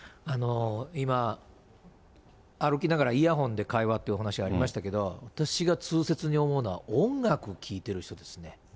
今、歩きながらイヤホンで会話ってお話ありましたけど、私が痛切に思うのは音楽聴いてる人ですね。